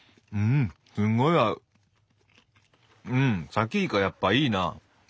さきイカやっぱいいな。